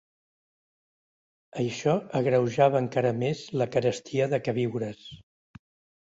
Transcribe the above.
Això agreujava encara més la carestia de queviures